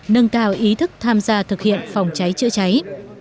nâng cao ý thức tham gia thực hiện phòng cháy chữa cháy